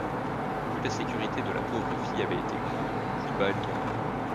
Plus la sécurité de la pauvre fille avait été grande, plus bas elle tombait.